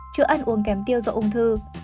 chữa ăn uống kém tiêu do ung thư